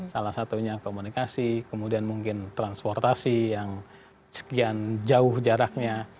salah satunya komunikasi kemudian mungkin transportasi yang sekian jauh jaraknya